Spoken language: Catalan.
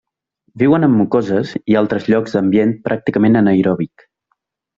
Viuen en mucoses i altres llocs d'ambient pràcticament anaeròbic.